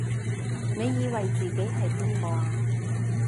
你以為自己係邊個啊？